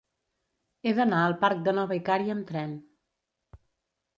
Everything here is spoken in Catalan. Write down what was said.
He d'anar al parc de Nova Icària amb tren.